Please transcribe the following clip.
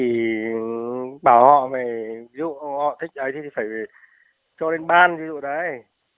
thì bảo họ mà ví dụ họ thích ấy thì phải cho lên ban ví dụ đấy